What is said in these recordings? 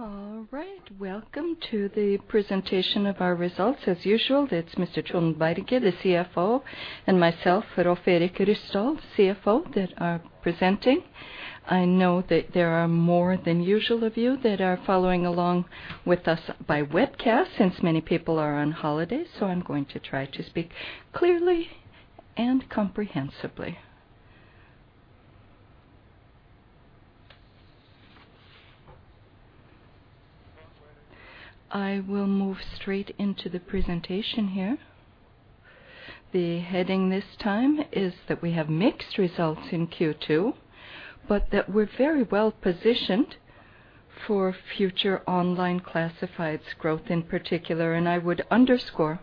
All right. Welcome to the presentation of our results. As usual, it's Mr. Trond Berger, the CFO, and myself, Rolv Erik Ryssdal, CEO, that are presenting. I know that there are more than usual of you that are following along with us by webcast, since many people are on holiday, so I'm going to try to speak clearly and comprehensively. I will move straight into the presentation here. The heading this time is that we have mixed results in Q2, but that we're very well positioned for future online classifieds growth in particular. I would underscore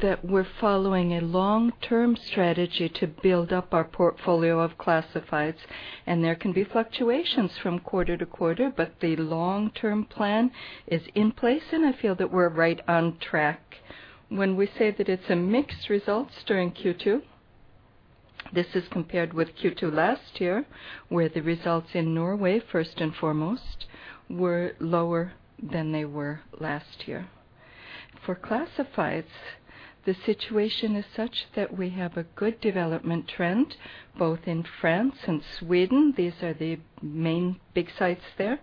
that we're following a long-term strategy to build up our portfolio of classifieds, and there can be fluctuations from quarter to quarter, but the long-term plan is in place, and I feel that we're right on track. We say that it's a mixed results during Q2, this is compared with Q2 last year, where the results in Norway, first and foremost, were lower than they were last year. For classifieds, the situation is such that we have a good development trend, both in France and Sweden. These are the main, big sites there.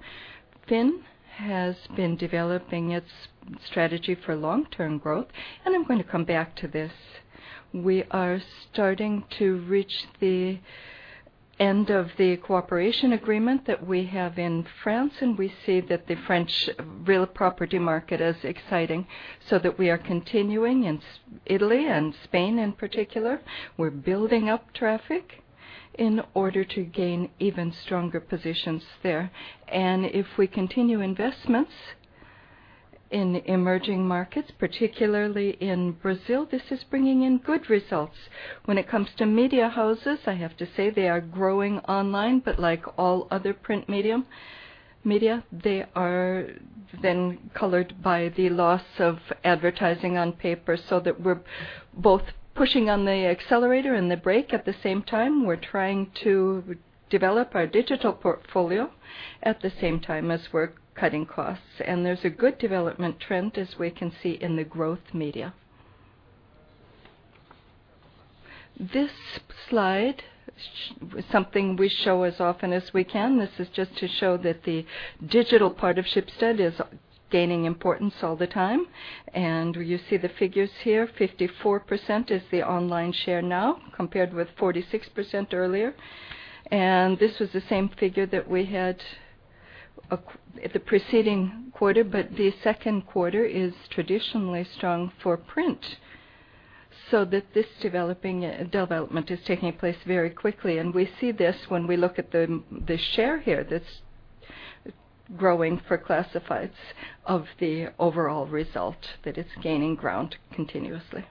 FINN has been developing its strategy for long-term growth. I'm going to come back to this. We are starting to reach the end of the cooperation agreement that we have in France. We see that the French real property market is exciting. We are continuing. In Italy and Spain, in particular, we're building up traffic in order to gain even stronger positions there. If we continue investments in emerging markets, particularly in Brazil, this is bringing in good results. When it comes to media houses, I have to say they are growing online, but like all other print media, they are then colored by the loss of advertising on paper, so that we're both pushing on the accelerator and the brake at the same time. We're trying to develop our digital portfolio at the same time as we're cutting costs. There's a good development trend, as we can see in the growth media. This slide is something we show as often as we can. This is just to show that the digital part of Schibsted is gaining importance all the time. You see the figures here, 54% is the online share now, compared with 46% earlier. This was the same figure that we had the preceding quarter. The second quarter is traditionally strong for print, so that this developing development is taking place very quickly. We see this when we look at the share here that's growing for classifieds of the overall result, that it's gaining ground continuously.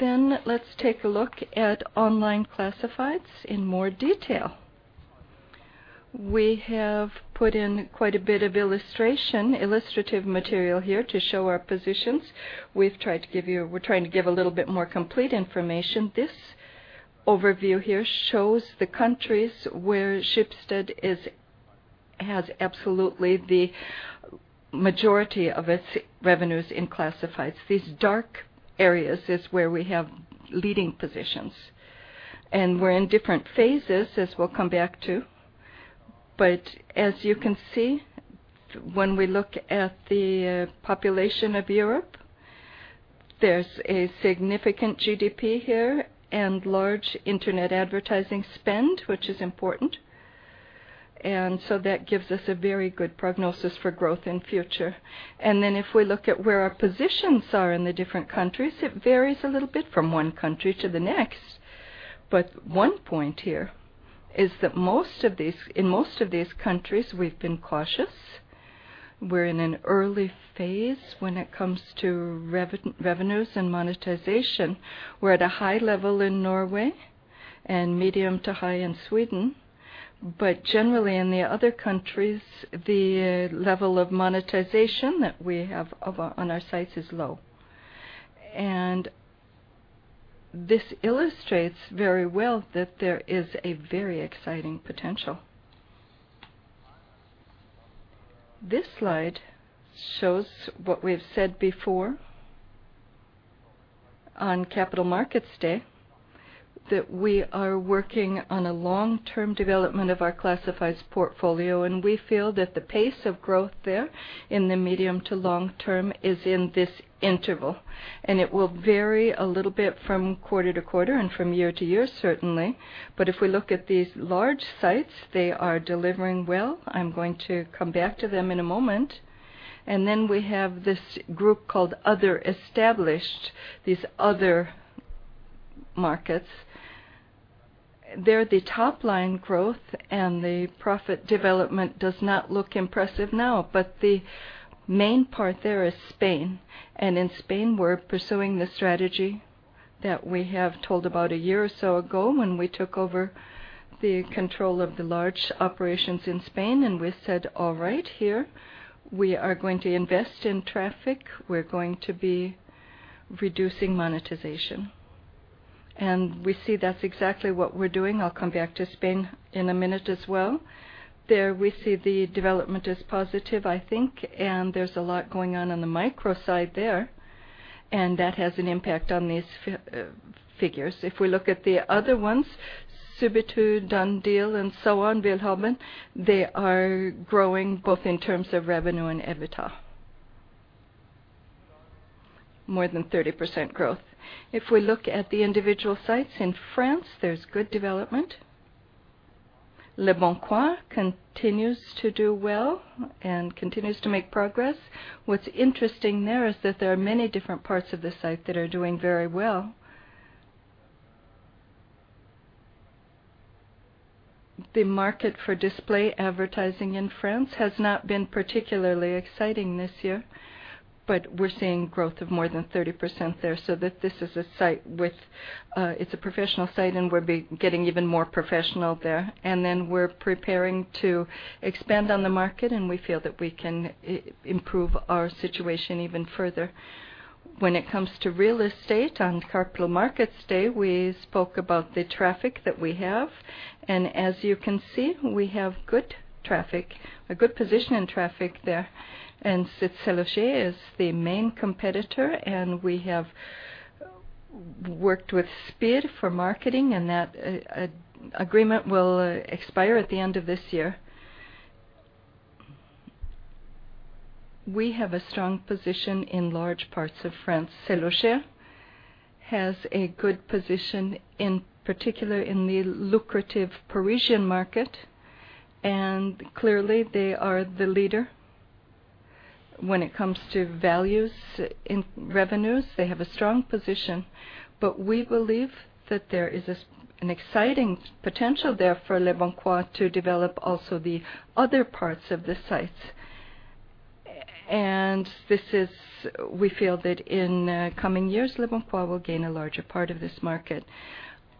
Let's take a look at online classifieds in more detail. We have put in quite a bit of illustration, illustrative material here to show our positions. We're trying to give a little bit more complete information. This overview here shows the countries where Schibsted is, has absolutely the majority of its revenues in classifieds. These dark areas is where we have leading positions, and we're in different phases, as we'll come back to. As you can see, when we look at the population of Europe, there's a significant GDP here and large internet advertising spend, which is important. That gives us a very good prognosis for growth in future. If we look at where our positions are in the different countries, it varies a little bit from one country to the next. One point here is that In most of these countries, we've been cautious. We're in an early phase when it comes to revenues and monetization. We're at a high level in Norway and medium to high in Sweden. Generally, in the other countries, the level of monetization that we have on our sites is low. This illustrates very well that there is a very exciting potential. This slide shows what we've said before on Capital Markets Day, that we are working on a long-term development of our classifieds portfolio, we feel that the pace of growth there in the medium to long term is in this interval. It will vary a little bit from quarter to quarter and from year to year, certainly. If we look at these large sites, they are delivering well. I'm going to come back to them in a moment. Then we have this group called Other Established, these other markets. There, the top line growth and the profit development does not look impressive now. The main part there is Spain. In Spain, we're pursuing the strategy that we have told about a year or so ago when we took over the control of the large operations in Spain. We said, "All right, here we are going to invest in traffic. We're going to be reducing monetization. We see that's exactly what we're doing. I'll come back to Spain in a minute as well. There we see the development is positive, I think, and there's a lot going on on the micro side there, and that has an impact on these figures. If we look at the other ones, Subito, Done Deal, and so on, willhaben, they are growing both in terms of revenue and EBITDA. More than 30% growth. If we look at the individual sites in France, there's good development. Leboncoin continues to do well and continues to make progress. What's interesting there is that there are many different parts of the site that are doing very well. The market for display advertising in France has not been particularly exciting this year, but we're seeing growth of more than 30% there, so that this is a site with, it's a professional site, and we're getting even more professional there. Then we're preparing to expand on the market, and we feel that we can improve our situation even further. When it comes to real estate on Capital Markets Day, we spoke about the traffic that we have. As you can see, we have good traffic, a good position in traffic there. SeLoger is the main competitor, and we have worked with SPiD for marketing, that agreement will expire at the end of this year. We have a strong position in large parts of France. SeLoger has a good position, in particular in the lucrative Parisian market, and clearly they are the leader. When it comes to values in revenues, they have a strong position. We believe that there is an exciting potential there for leboncoin to develop also the other parts of the sites. We feel that in coming years, leboncoin will gain a larger part of this market.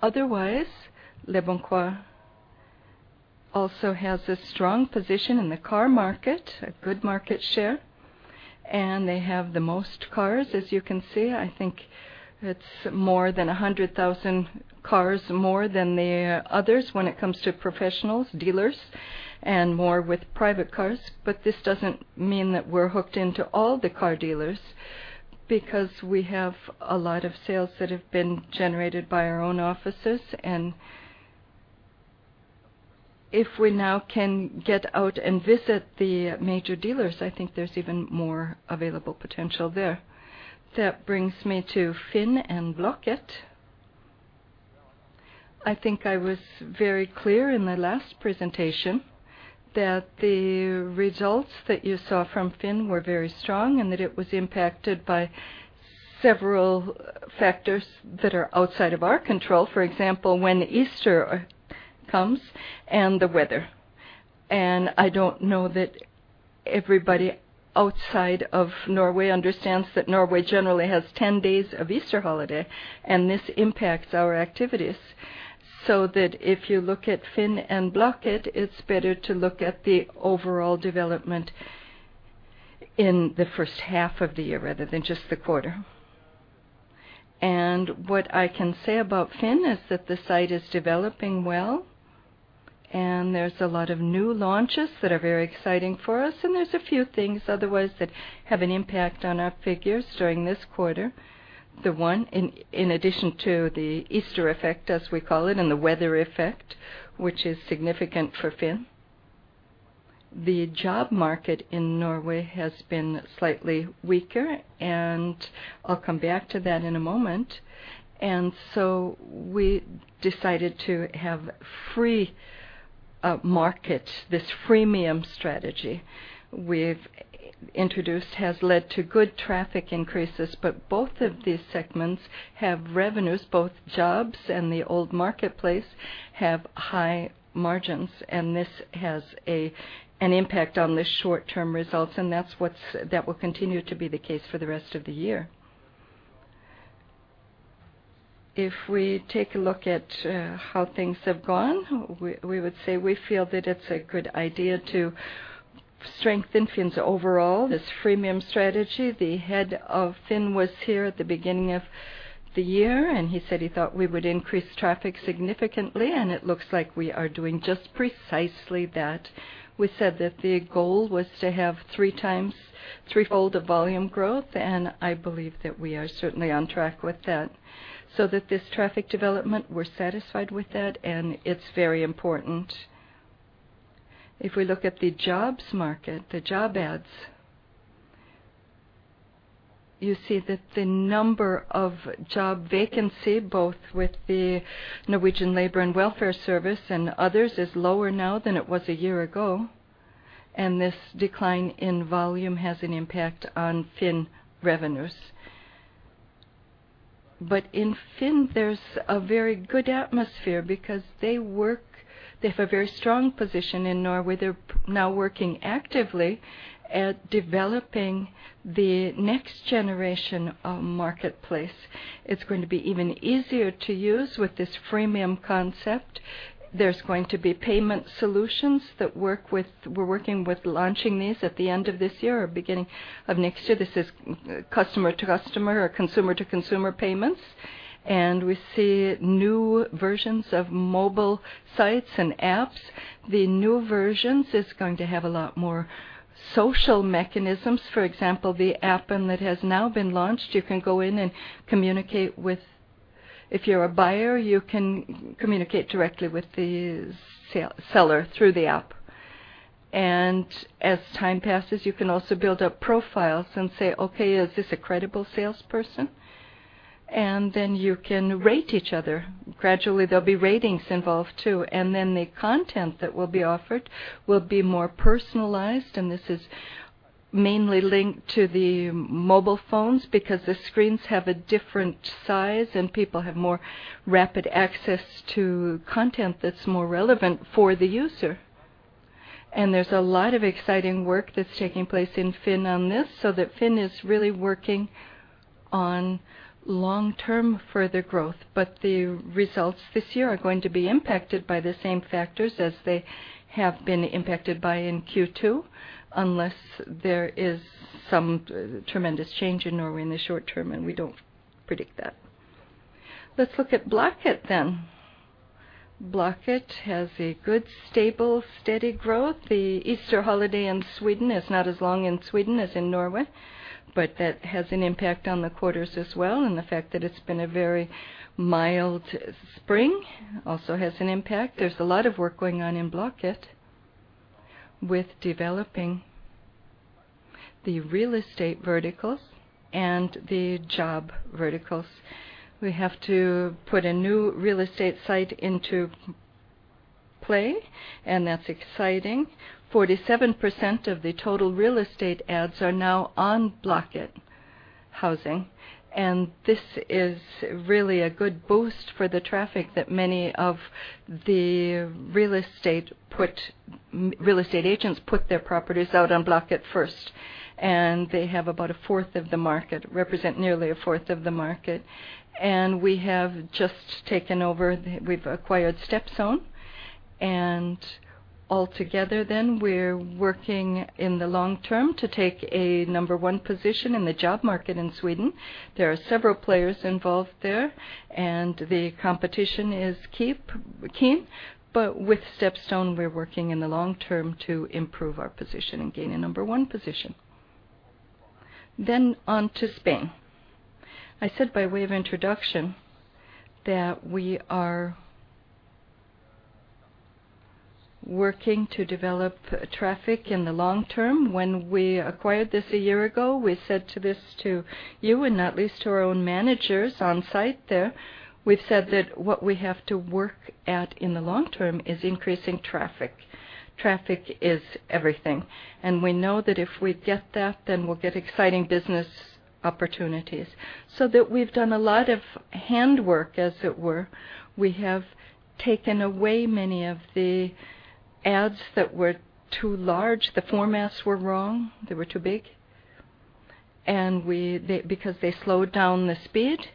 Otherwise, leboncoin also has a strong position in the car market, a good market share, and they have the most cars, as you can see. I think it's more than 100,000 cars, more than the others when it comes to professionals, dealers, and more with private cars. This doesn't mean that we're hooked into all the car dealers because we have a lot of sales that have been generated by our own offices. If we now can get out and visit the major dealers, I think there's even more available potential there. That brings me to FINN and Blocket. I think I was very clear in my last presentation that the results that you saw from FINN were very strong and that it was impacted by several factors that are outside of our control. For example, when Easter comes and the weather. I don't know that everybody outside of Norway understands that Norway generally has 10 days of Easter holiday, and this impacts our activities, so that if you look at FINN and Blocket, it's better to look at the overall development in the first half of the year rather than just the quarter. What I can say about FINN is that the site is developing well, and there's a lot of new launches that are very exciting for us, and there's a few things otherwise that have an impact on our figures during this quarter. In addition to the Easter effect, as we call it, and the weather effect, which is significant for FINN. The job market in Norway has been slightly weaker, and I'll come back to that in one moment. We decided to have free market. This freemium strategy we've introduced has led to good traffic increases, but both of these segments have revenues, both jobs and the old marketplace have high margins, and this has an impact on the short-term results, and that will continue to be the case for the rest of the year. If we take a look at how things have gone, we would say we feel that it's a good idea to strengthen FINN's overall, this freemium strategy. The head of FINN was here at the beginning of the year, he said he thought we would increase traffic significantly, it looks like we are doing just precisely that. We said that the goal was to have 3x, threefold the volume growth, I believe that we are certainly on track with that. That this traffic development, we're satisfied with that, it's very important. If we look at the jobs market, the job ads, you see that the number of job vacancy, both with the Norwegian Labour and Welfare Service and others, is lower now than it was a year ago, this decline in volume has an impact on FINN revenues. In FINN, there's a very good atmosphere because they have a very strong position in Norway. They're now working actively at developing the next generation of marketplace. It's going to be even easier to use with this freemium concept. There's going to be payment solutions we're working with launching these at the end of this year or beginning of next year. This is customer-to-customer or consumer-to-consumer payments, and we see new versions of mobile sites and apps. The new versions is going to have a lot more social mechanisms. For example, the app and that has now been launched, you can go in and communicate with. If you're a buyer, you can communicate directly with the sale-seller through the app. As time passes, you can also build up profiles and say, "Okay, is this a credible salesperson?" Then you can rate each other. Gradually, there'll be ratings involved too, and then the content that will be offered will be more personalized. This is mainly linked to the mobile phones because the screens have a different size, and people have more rapid access to content that's more relevant for the user. There's a lot of exciting work that's taking place in FINN on this, so that FINN is really working on long-term further growth. The results this year are going to be impacted by the same factors as they have been impacted by in Q2, unless there is some tremendous change in Norway in the short term, and we don't predict that. Let's look at Blocket then. Blocket has a good, stable, steady growth. The Easter holiday in Sweden is not as long in Sweden as in Norway. That has an impact on the quarters as well. The fact that it's been a very mild spring also has an impact. There's a lot of work going on in Blocket with developing the real estate verticals and the job verticals. We have to put a new real estate site into play. That's exciting. 47% of the total real estate ads are now on Blocket Bostad. This is really a good boost for the traffic that many of the real estate agents put their properties out on Blocket first, and they have about a fourth of the market, represent nearly a fourth of the market. We've acquired StepStone, and altogether then, we're working in the long term to take a number one position in the job market in Sweden. There are several players involved there, and the competition is keen, but with StepStone, we're working in the long term to improve our position and gain a number one position. On to Spain. I said by way of introduction that we are working to develop traffic in the long term. When we acquired this a year ago, we said to this to you and not least to our own managers on-site there, we've said that what we have to work at in the long term is increasing traffic. Traffic is everything, and we know that if we get that, then we'll get exciting business opportunities. That we've done a lot of hand work, as it were. We have taken away many of the ads that were too large, the formats were wrong, they were too big, and we they, because they slowed down the speed,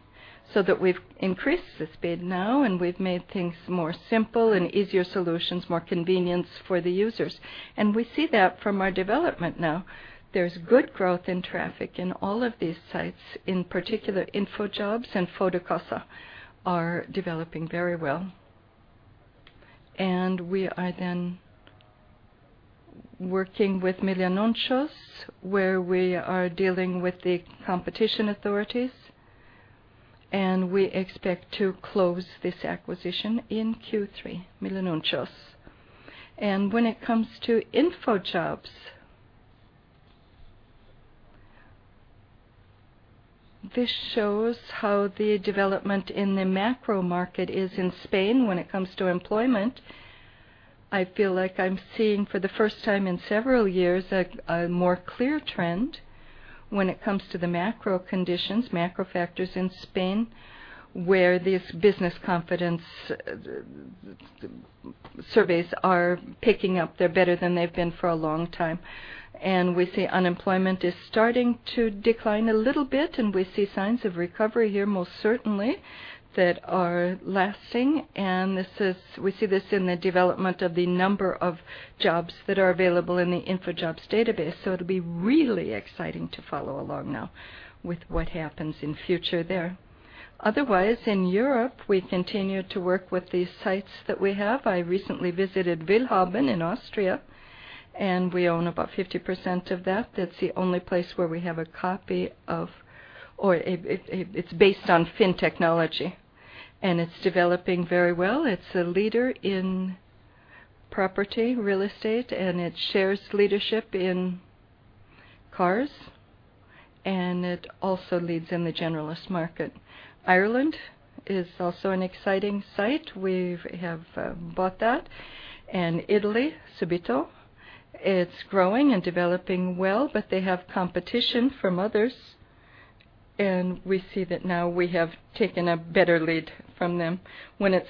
so that we've increased the speed now, and we've made things more simple and easier solutions, more convenience for the users. We see that from our development now. There's good growth in traffic in all of these sites. In particular, InfoJobs and Fotocasa are developing very well. We are then working with Milanuncios, where we are dealing with the competition authorities, and we expect to close this acquisition in Q3, Milanuncios. When it comes to InfoJobs, this shows how the development in the macro market is in Spain when it comes to employment. I feel like I'm seeing for the first time in several years a more clear trend when it comes to the macro conditions, macro factors in Spain, where these business confidence surveys are picking up. They're better than they've been for a long time. We see unemployment is starting to decline a little bit, and we see signs of recovery here, most certainly, that are lasting. We see this in the development of the number of jobs that are available in the InfoJobs database. It'll be really exciting to follow along now with what happens in future there. Otherwise, in Europe, we continue to work with these sites that we have. I recently visited willhaben in Austria, and we own about 50% of that. That's the only place where we have a copy of... It's based on FINN technology, and it's developing very well. It's a leader in property, real estate, and it shares leadership in cars, and it also leads in the generalist market. Ireland is also an exciting site. We've bought that. Italy, Subito, it's growing and developing well, but they have competition from others. We see that now we have taken a better lead from them. When it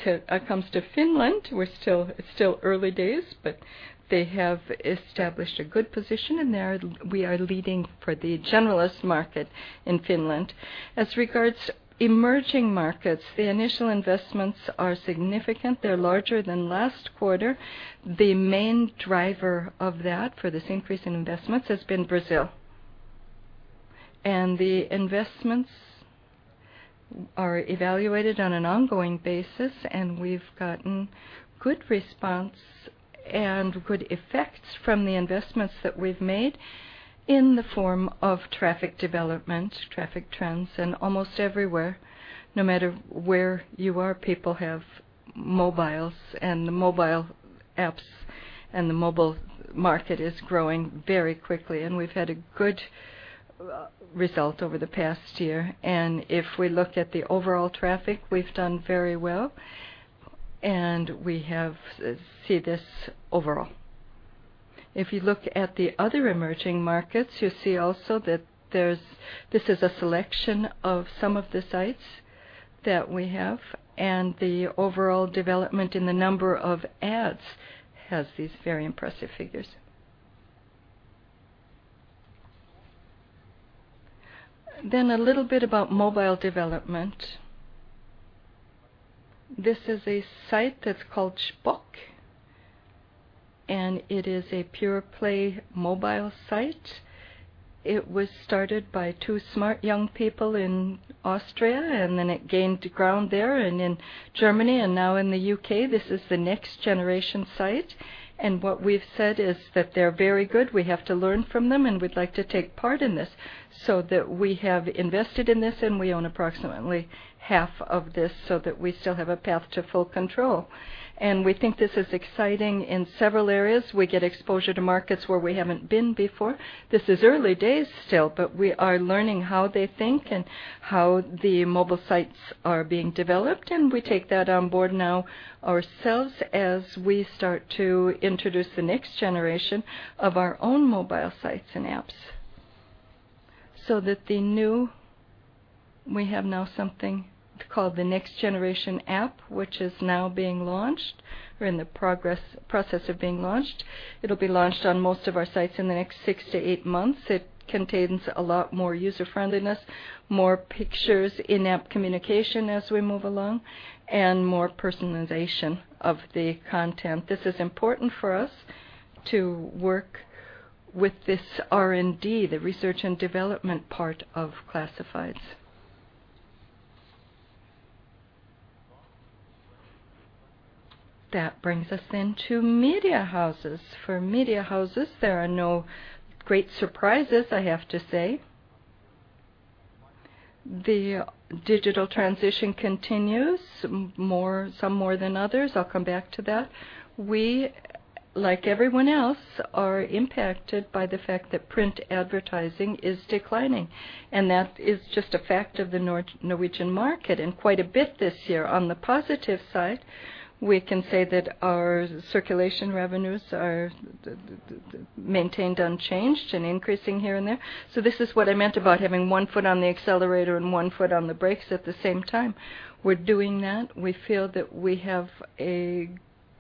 comes to Finland, it's still early days, but they have established a good position, and we are leading for the generalist market in Finland. As regards emerging markets, the initial investments are significant. They're larger than last quarter. The main driver of that, for this increase in investments, has been Brazil. The investments are evaluated on an ongoing basis, we've gotten good response and good effects from the investments that we've made in the form of traffic development, traffic trends. Almost everywhere, no matter where you are, people have mobiles, the mobile apps and the mobile market is growing very quickly. We've had a good result over the past year. If we look at the overall traffic, we've done very well, we see this overall. If you look at the other emerging markets, you see also that there's. This is a selection of some of the sites that we have, and the overall development in the number of ads has these very impressive figures. A little bit about mobile development. This is a site that's called Shpock, and it is a pure play mobile site. It was started by two smart young people in Austria, and then it gained ground there and in Germany and now in the U.K. This is the next generation site. What we've said is that they're very good. We have to learn from them, and we'd like to take part in this, so that we have invested in this, and we own approximately half of this so that we still have a path to full control. We think this is exciting in several areas. We get exposure to markets where we haven't been before. This is early days still, but we are learning how they think and how the mobile sites are being developed, and we take that on board now ourselves as we start to introduce the next generation of our own mobile sites and apps. That we have now something called the next generation app, which is now being launched. We're in the process of being launched. It'll be launched on most of our sites in the next six to eight months. It contains a lot more user-friendliness, more pictures, in-app communication as we move along, and more personalization of the content. This is important for us to work with this R&D, the research and development part of classifieds. That brings us then to media houses. For media houses, there are no great surprises, I have to say. The digital transition continues, some more than others. I'll come back to that. We, like everyone else, are impacted by the fact that print advertising is declining, and that is just a fact of the Norwegian market and quite a bit this year. On the positive side, we can say that our circulation revenues are maintained unchanged and increasing here and there. This is what I meant about having one foot on the accelerator and one foot on the brakes at the same time. We're doing that. We feel that we have a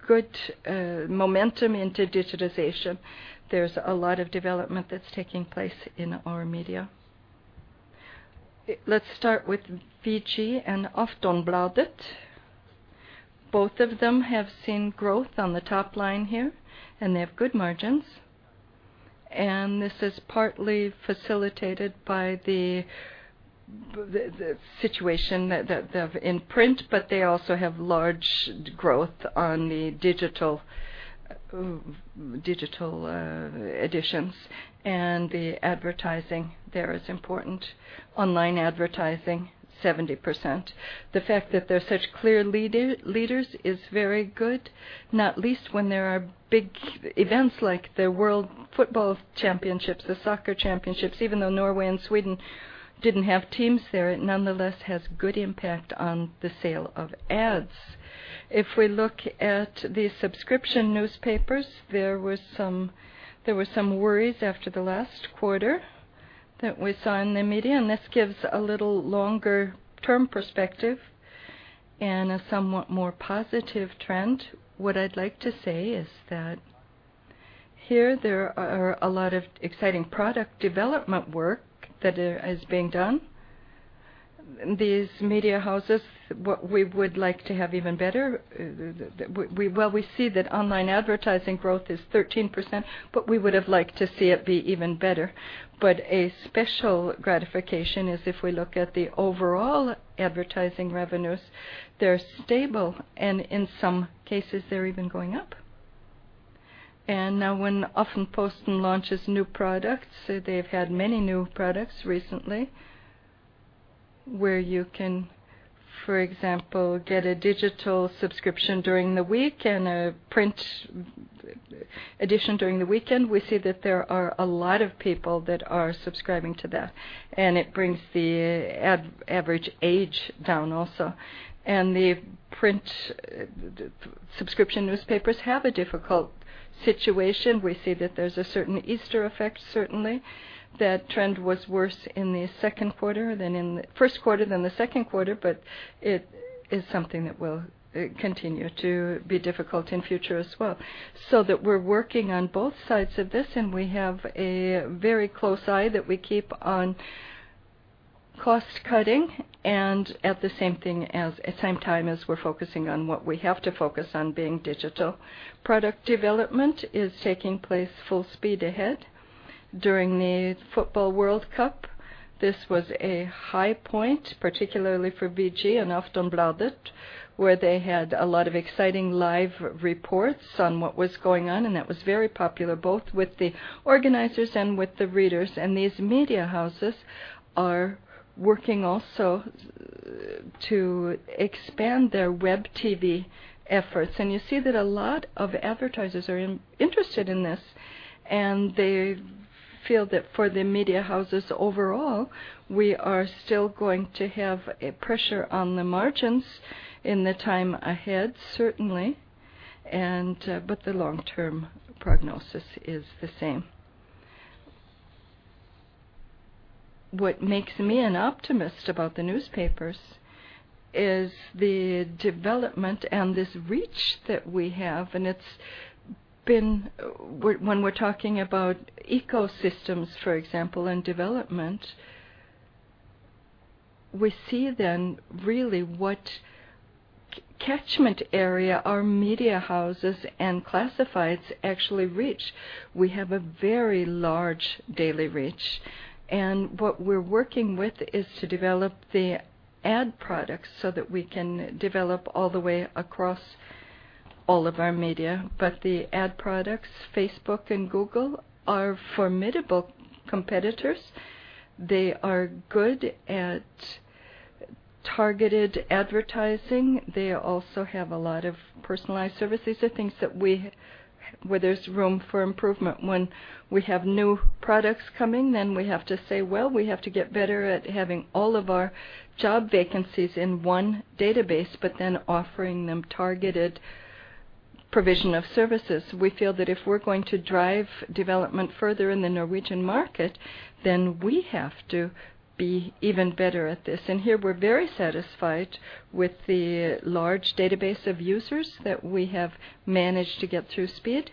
good momentum into digitization. There's a lot of development that's taking place in our media. Let's start with VG and Aftonbladet. Both of them have seen growth on the top line here, and they have good margins. This is partly facilitated by the situation that they have in print, but they also have large growth on the digital editions, and the advertising there is important. Online advertising, 70%. The fact that they're such clear leaders is very good, not least when there are big events like the World Football Championships, the soccer championships. Even though Norway and Sweden didn't have teams there, it nonetheless has good impact on the sale of ads. If we look at the subscription newspapers, there were some worries after the last quarter that we saw in the media. This gives a little longer-term perspective and a somewhat more positive trend. What I'd like to say is that here there are a lot of exciting product development work that is being done. These media houses, what we would like to have even better, Well, we see that online advertising growth is 13%, but we would have liked to see it be even better. A special gratification is if we look at the overall advertising revenues, they're stable, and in some cases, they're even going up. Now when Aftenposten launches new products, they've had many new products recently, where you can, for example, get a digital subscription during the week and a print edition during the weekend. We see that there are a lot of people that are subscribing to that, and it brings the average age down also. The print, the subscription newspapers have a difficult situation. We see that there's a certain Easter effect, certainly. That trend was worse in the second quarter than in the first quarter than the second quarter, but it is something that will continue to be difficult in future as well. We're working on both sides of this, and we have a very close eye that we keep on cost-cutting and at same time as we're focusing on what we have to focus on being digital. Product development is taking place full speed ahead. During the football World Cup, this was a high point, particularly for VG and Aftonbladet, where they had a lot of exciting live reports on what was going on, and that was very popular, both with the organizers and with the readers. These media houses are working also to expand their web TV efforts. You see that a lot of advertisers are interested in this, and they feel that for the media houses overall, we are still going to have a pressure on the margins in the time ahead, certainly. The long-term prognosis is the same. What makes me an optimist about the newspapers is the development and this reach that we have, and it's been... When we're talking about ecosystems, for example, and development, we see then really what catchment area our media houses and classifieds actually reach. We have a very large daily reach, and what we're working with is to develop the ad products so that we can develop all the way across all of our media. The ad products, Facebook and Google are formidable competitors. They are good at targeted advertising. They also have a lot of personalized services and things that we, where there's room for improvement. We have new products coming, we have to say, "Well, we have to get better at having all of our job vacancies in one database, offering them targeted provision of services." We feel that if we're going to drive development further in the Norwegian market, we have to be even better at this. Here we're very satisfied with the large database of users that we have managed to get through SPiD,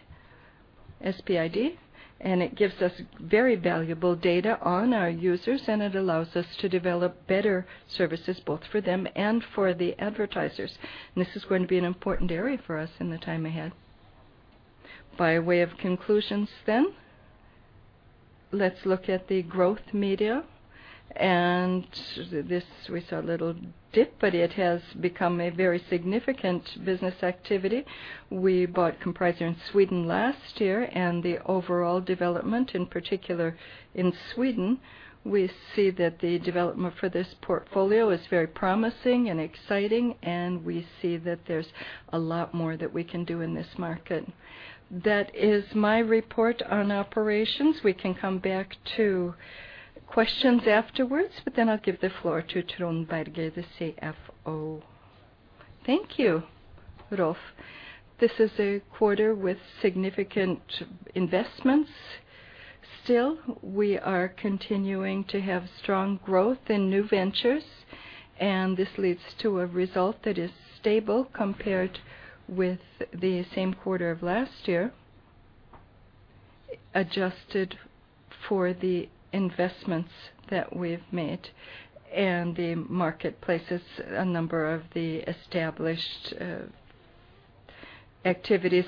it gives us very valuable data on our users, it allows us to develop better services both for them and for the advertisers. This is going to be an important area for us in the time ahead. By way of conclusions, let's look at the growth media. This, we saw a little dip, it has become a very significant business activity. We bought Compricer in Sweden last year. The overall development, in particular in Sweden, we see that the development for this portfolio is very promising and exciting. We see that there's a lot more that we can do in this market. That is my report on operations. We can come back to questions afterwards. I'll give the floor to Trond Berger, the CFO. Thank you, Rolf. This is a quarter with significant investments. We are continuing to have strong growth in new ventures. This leads to a result that is stable compared with the same quarter of last year, adjusted for the investments that we've made and the marketplaces, a number of the established activities.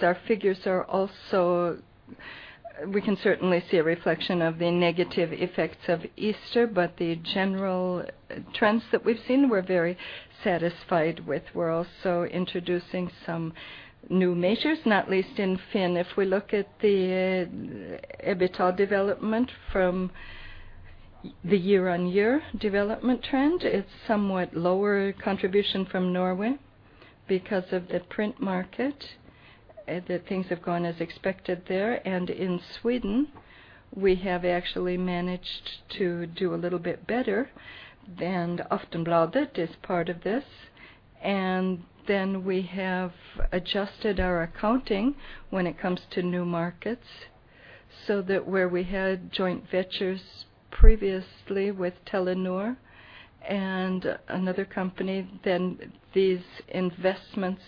We can certainly see a reflection of the negative effects of Easter. The general trends that we've seen, we're very satisfied with. We're also introducing some new measures, not least in FINN. If we look at the EBITDA development from the year-on-year development trend, it's somewhat lower contribution from Norway because of the print market, that things have gone as expected there. In Sweden, we have actually managed to do a little bit better, and Aftonbladet is part of this. Then we have adjusted our accounting when it comes to new markets, so that where we had joint ventures previously with Telenor and another company, then these investments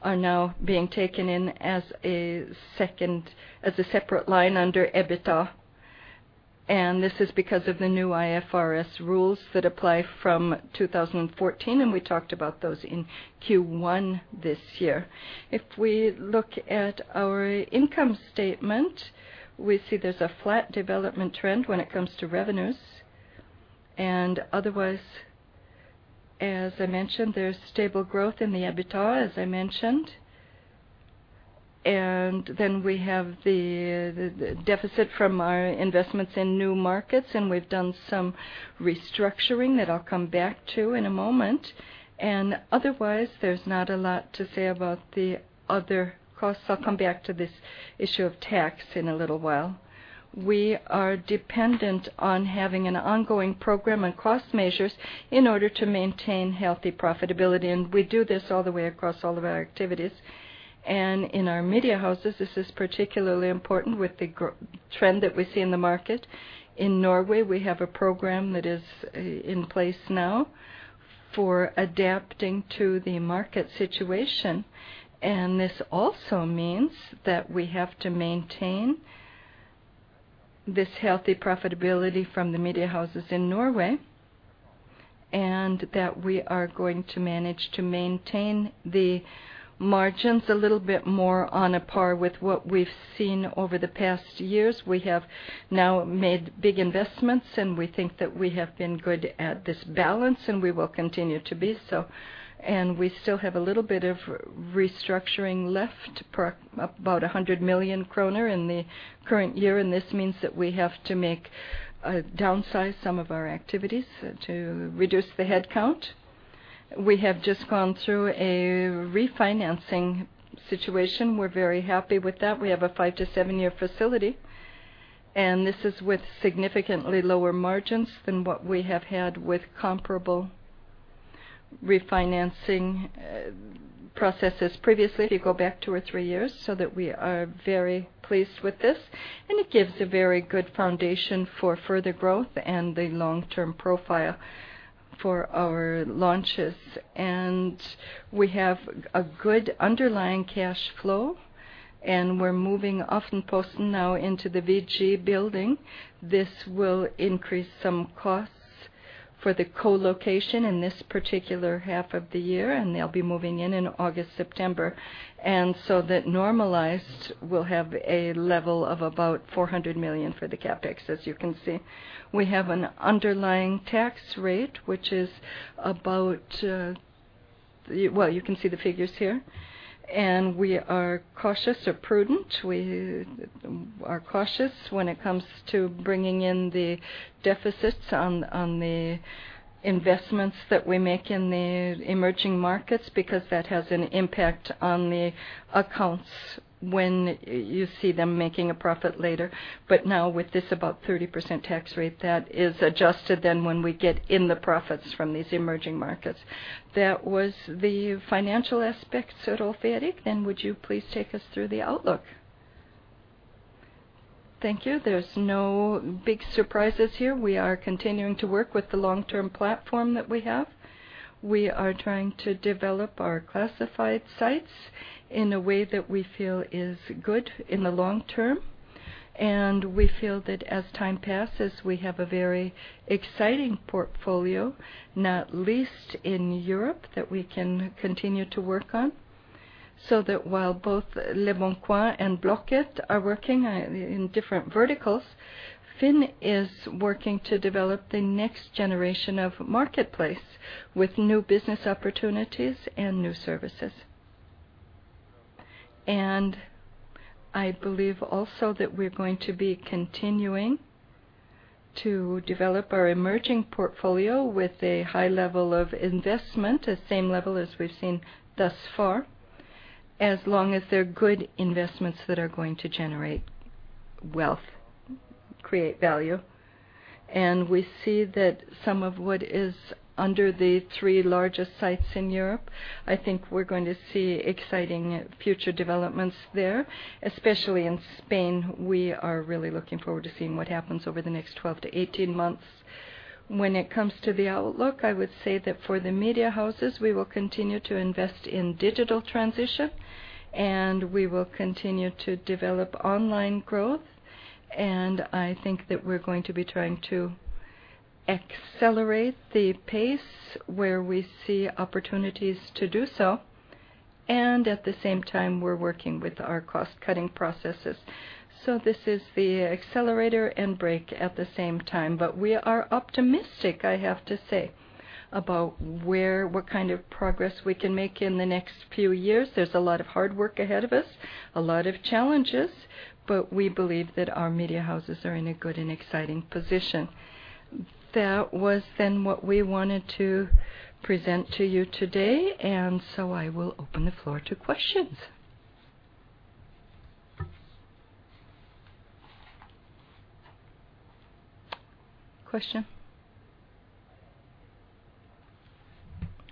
are now being taken in as a second, as a separate line under EBITDA. This is because of the new IFRS rules that apply from 2014, and we talked about those in Q1 this year. If we look at our income statement, we see there's a flat development trend when it comes to revenues. Otherwise, as I mentioned, there's stable growth in the EBITDA, as I mentioned. Then we have the deficit from our investments in new markets, and we've done some restructuring that I'll come back to in a moment. Otherwise, there's not a lot to say about the other costs. I'll come back to this issue of tax in a little while. We are dependent on having an ongoing program on cost measures in order to maintain healthy profitability, and we do this all the way across all of our activities. In our media houses, this is particularly important with the trend that we see in the market. In Norway, we have a program that is in place now for adapting to the market situation. This also means that we have to maintain this healthy profitability from the media houses in Norway and that we are going to manage to maintain the margins a little bit more on a par with what we've seen over the past years. We have now made big investments, and we think that we have been good at this balance, and we will continue to be so. We still have a little bit of restructuring left, about 100 million kroner in the current year, and this means that we have to make downsize some of our activities to reduce the headcount. We have just gone through a refinancing situation. We're very happy with that. We have a five to seven-year facility, this is with significantly lower margins than what we have had with comparable refinancing processes previously, if you go back two or three years, we are very pleased with this. It gives a very good foundation for further growth and the long-term profile for our launches. We have a good underlying cash flow, we're moving Aftenposten now into the VG building. This will increase some costs for the co-location in this particular half of the year, they'll be moving in in August, September. Normalized, we'll have a level of about 400 million for the CapEx, as you can see. We have an underlying tax rate, which is about, well, you can see the figures here. We are cautious or prudent. We are cautious when it comes to bringing in the deficits on the investments that we make in the emerging markets because that has an impact on the accounts when you see them making a profit later. Now with this about 30% tax rate, that is adjusted then when we get in the profits from these emerging markets. That was the financial aspects, Rolv Erik. Would you please take us through the outlook? Thank you. There's no big surprises here. We are continuing to work with the long-term platform that we have. We are trying to develop our classified sites in a way that we feel is good in the long term. We feel that as time passes, we have a very exciting portfolio, not least in Europe, that we can continue to work on. While both leboncoin and Blocket are working on, in different verticals, FINN is working to develop the next generation of marketplace with new business opportunities and new services. I believe also that we're going to be continuing to develop our emerging portfolio with a high level of investment, the same level as we've seen thus far, as long as they're good investments that are going to generate wealth, create value. We see that some of what is under the three largest sites in Europe, I think we're going to see exciting future developments there, especially in Spain. We are really looking forward to seeing what happens over the next 12-18 months. When it comes to the outlook, I would say that for the media houses, we will continue to invest in digital transition, and we will continue to develop online growth. I think that we're going to be trying to accelerate the pace where we see opportunities to do so. At the same time, we're working with our cost-cutting processes. This is the accelerator and brake at the same time. We are optimistic, I have to say, about where, what kind of progress we can make in the next few years. There's a lot of hard work ahead of us, a lot of challenges, but we believe that our media houses are in a good and exciting position. That was then what we wanted to present to you today. I will open the floor to questions. Question?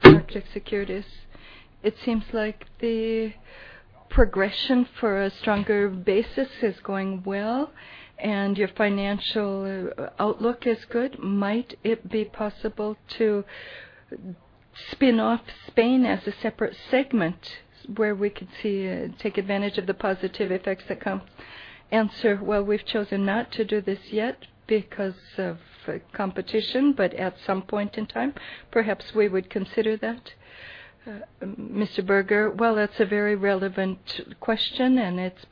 Market Securities. It seems like the progression for a stronger basis is going well, and your financial outlook is good. Might it be possible to spin off Spain as a separate segment where we could see, take advantage of the positive effects that come? We've chosen not to do this yet because of competition, but at some point in time, perhaps we would consider that. That's a very relevant question, and it's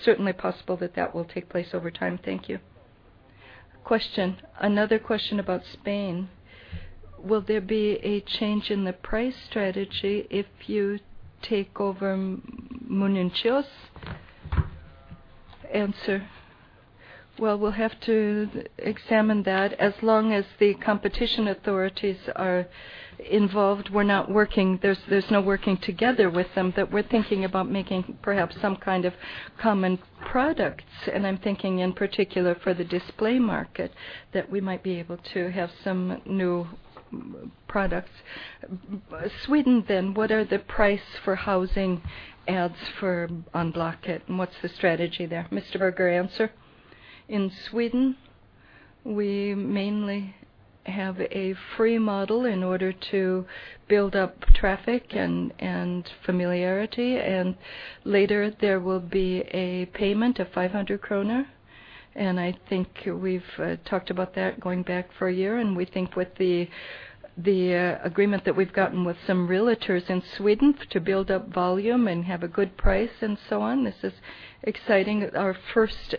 certainly possible that that will take place over time. Thank you. Another question about Spain. Will there be a change in the price strategy if you take over Milanuncios? We'll have to examine that. As long as the competition authorities are involved, we're not working, there's no working together with them, but we're thinking about making perhaps some kind of common products, and I'm thinking in particular for the display market, that we might be able to have some new products. Sweden, then. What are the price for housing ads for on Blocket, and what's the strategy there? Mr. Berger, answer. In Sweden, we mainly have a free model in order to build up traffic and familiarity. Later, there will be a payment of 500 kronor, and I think we've talked about that going back for a year. We think with the agreement that we've gotten with some realtors in Sweden to build up volume and have a good price and so on, this is exciting. Our first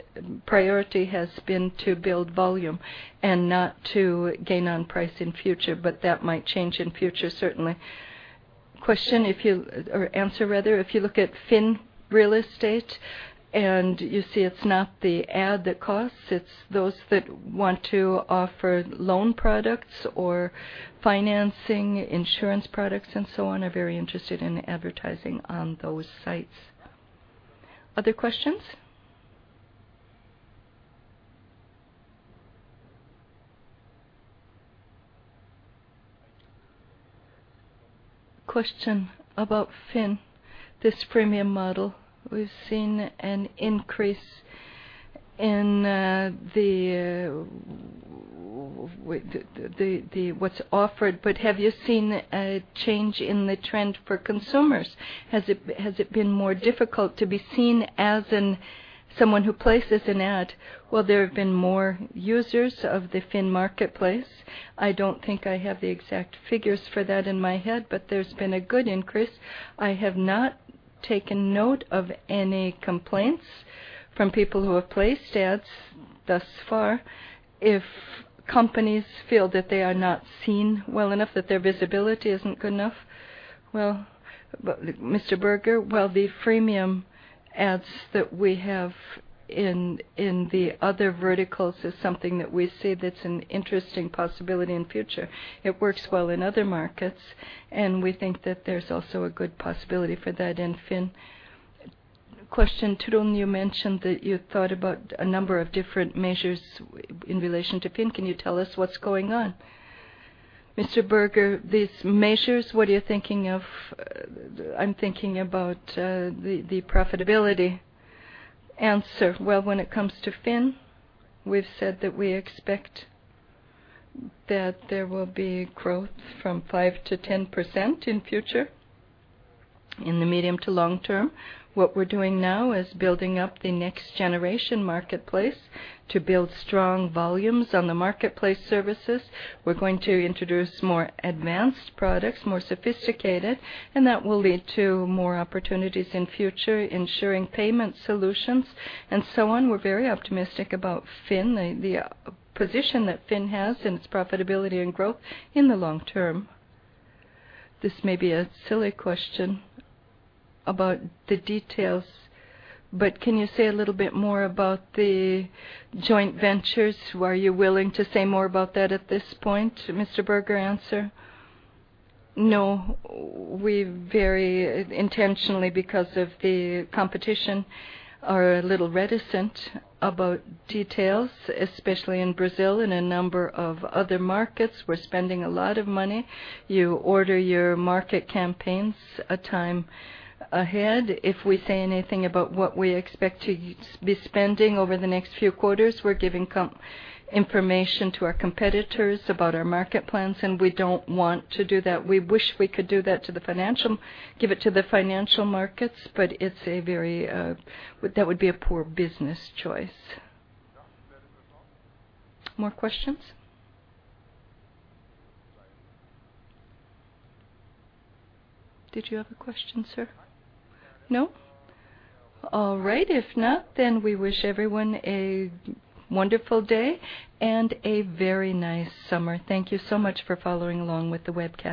priority has been to build volume and not to gain on price in future, but that might change in future, certainly. Question if you or answer, rather, if you look at FINN real estate and you see it's not the ad that costs, it's those that want to offer loan products or financing insurance products and so on are very interested in advertising on those sites. Other questions? Question about FINN, this premium model, we've seen an increase in the what's offered, but have you seen a change in the trend for consumers? Has it been more difficult to be seen as in someone who places an ad? Well, there have been more users of the FINN marketplace. I don't think I have the exact figures for that in my head, but there's been a good increase. I have not taken note of any complaints from people who have placed ads thus far. If companies feel that they are not seen well enough, that their visibility isn't good enough, well, Mr. Berger. Well, the freemium ads that we have in the other verticals is something that we see that's an interesting possibility in future. It works well in other markets. We think that there's also a good possibility for that in FINN. Question, Trond, you mentioned that you thought about a number of different measures in relation to FINN. Can you tell us what's going on? Mr. Berger, these measures, what are you thinking of? I'm thinking about the profitability. Answer. Well, when it comes to FINN, we've said that we expect that there will be growth from 5% to 10% in future in the medium to long term. What we're doing now is building up the next generation marketplace to build strong volumes on the marketplace services. We're going to introduce more advanced products, more sophisticated, and that will lead to more opportunities in future ensuring payment solutions and so on. We're very optimistic about FINN, the position that FINN has in its profitability and growth in the long term. This may be a silly question about the details, but can you say a little bit more about the joint ventures? Are you willing to say more about that at this point, Mr. Berger? Answer. No. We very intentionally, because of the competition, are a little reticent about details, especially in Brazil and a number of other markets. We're spending a lot of money. You order your market campaigns a time ahead. If we say anything about what we expect to be spending over the next few quarters, we're giving information to our competitors about our market plans, and we don't want to do that. We wish we could do that to the financial markets, but it's a very, that would be a poor business choice. More questions? Did you have a question, sir? No? All right. If not, we wish everyone a wonderful day and a very nice summer. Thank you so much for following along with the webcast.